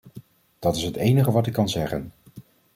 Dat is het enige wat ik kan zeggen.